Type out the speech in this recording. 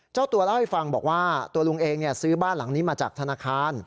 เจ้าตัวเล่าให้ฟังบอกว่าตัวลุงเองซื้อบ้านหลังนี้มาจากธนาคาร